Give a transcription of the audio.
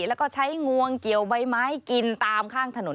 แล้วก็ใช้งวงเกี่ยวใบไม้กินตามข้างถนน